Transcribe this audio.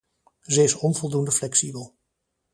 Ze is onvoldoende flexibel.